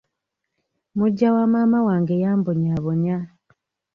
Muggya wa maama wange yambonyaabonya.